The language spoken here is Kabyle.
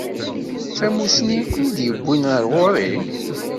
D tamussni i ken-id-yewwin ar ɣur-i?